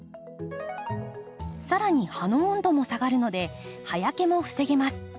更に葉の温度も下がるので葉焼けも防げます。